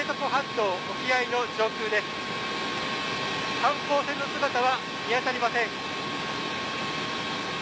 観光船の姿は見当たりません。